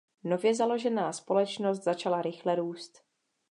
Nově založená společnost začala rychle růst.